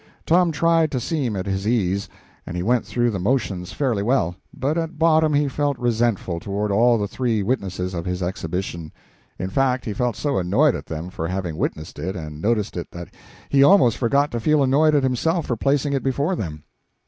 Tom tried to seem at his ease, and he went through the motions fairly well, but at bottom he felt resentful toward all the three witnesses of his exhibition; in fact, he felt so annoyed at them for having witnessed it and noticed it that he almost forgot to feel annoyed at himself for placing it before them.